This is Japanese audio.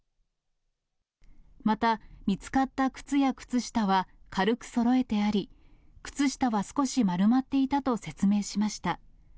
また、見つかった靴や靴下は軽くそろえてあり、靴下は少し丸まっていたと説明しました。